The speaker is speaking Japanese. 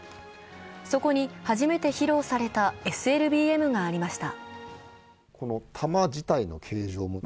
そこに初めて披露されたＳＬＢＭがありました。